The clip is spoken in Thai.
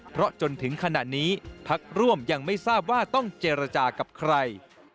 เพราะจนถึงขณะนี้พักร่วมยังไม่ทราบว่าต้องเจรจากับใคร